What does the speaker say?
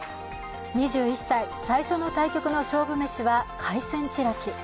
２１歳、最初の対局の勝負飯は海鮮ちらし。